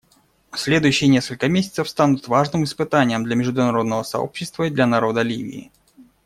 Следующие несколько месяцев станут важным испытанием для международного сообщества и для народа Ливии.